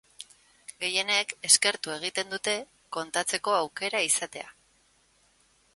Gehienek eskertu egiten dute kontatzeko aukera izatea.